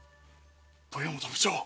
豊本部長。